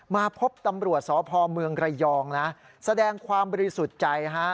มาพบตำรวจสพเมืองระยองนะแสดงความบริสุทธิ์ใจฮะ